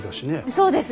そうです。